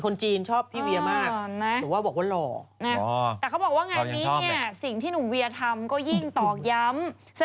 เนี่ยสิ่งที่หนูเวียร์ทำก็ยิ่งต่อย้ำ